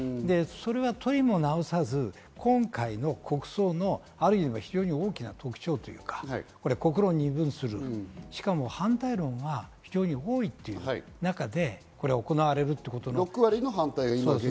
とりもなおさず、今回の国葬のある意味、非常に大きな特徴というか、国論を二分する、しかも反対論が非常に多いという中で行われるということです。